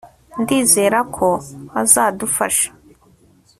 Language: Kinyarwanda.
ndizera ko azadufasha